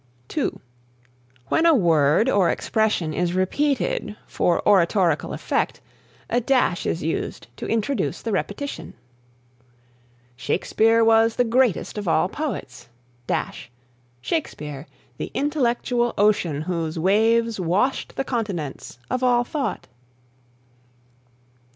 (2) When a word or expression is repeated for oratorical effect, a dash is used to introduce the repetition: "Shakespeare was the greatest of all poets Shakespeare, the intellectual ocean whose waves washed the continents of all thought."